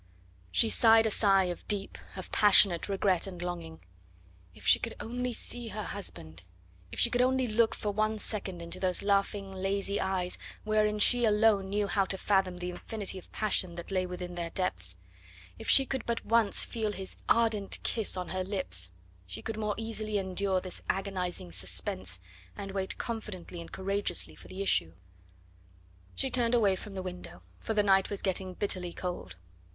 She sighed a sigh of deep, of passionate regret and longing. If she could only see her husband; if she could only look for one second into those laughing, lazy eyes, wherein she alone knew how to fathom the infinity of passion that lay within their depths; if she could but once feel his ardent kiss on her lips, she could more easily endure this agonising suspense, and wait confidently and courageously for the issue. She turned away from the window, for the night was getting bitterly cold.